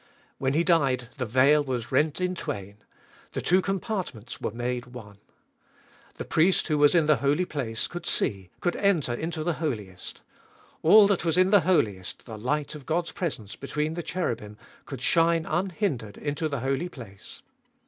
When He died the veil was rent in twain ; the two compartments were made one. The priest who was in the Holy Place could see, could enter into the Holiest. All that was in the Holiest, the light of God's presence between the cherubim, could shine unhindered into the Holy Place.